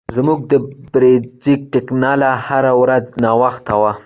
زموږ د بریځر ټکله هره ورځ ناوخته وي.